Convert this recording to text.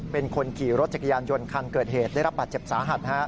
เป็นคนขี่รถจักรยานยนต์คันเกิดเหตุได้รับบาดเจ็บสาหัส